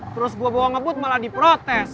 terus gue bawa ngebut malah diprotes